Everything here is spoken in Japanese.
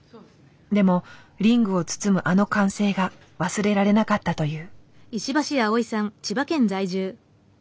でもリングを包むあの歓声が忘れられなかったという。